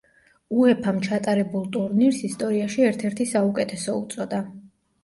უეფა-მ ჩატარებულ ტურნირს ისტორიაში ერთ-ერთი საუკეთესო უწოდა.